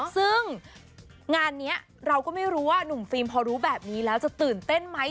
ซึ่งงานนี้เราก็ไม่รู้ว่านุ่มฟิล์มพอรู้แบบนี้แล้วจะตื่นเต้นไหม